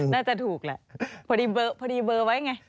น่าจะถูกแหละพอดีเบอร์ไว้ไง